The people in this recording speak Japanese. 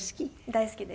大好きです。